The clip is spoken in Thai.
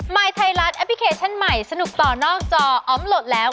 ยไทยรัฐแอปพลิเคชันใหม่สนุกต่อนอกจออมโหลดแล้ว